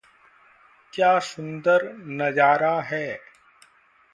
क्या सुंदर नज़ारा है!